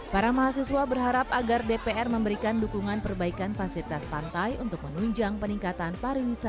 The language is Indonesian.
para mahasiswa berharap agar dpr memberikan dukungan perbaikan fasilitas pantai untuk menunjang peningkatan pariwisata